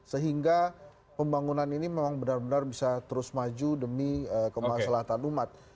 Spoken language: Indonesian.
sehingga pembangunan ini memang benar benar bisa terus maju demi kemaslahan umat